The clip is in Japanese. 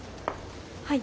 はい。